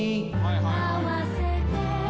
「あわせて」